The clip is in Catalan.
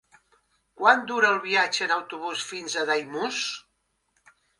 Quant dura el viatge en autobús fins a Daimús?